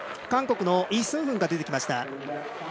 韓国のイ・スンフンが出てきました。